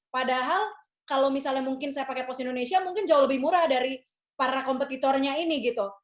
padahal kalau misalnya mungkin saya pakai pos indonesia mungkin jauh lebih murah dari para kompetitornya ini gitu